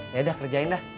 yaudah kerjain dah